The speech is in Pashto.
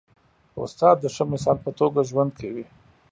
استاد د ښه مثال په توګه ژوند کوي.